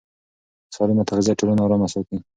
سالمه تغذیه ټولنه ارامه ساتي.